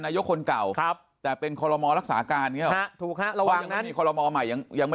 นายกคนเก่าครับจะเป็นบรมรรักษาการง่ายอย่างไม่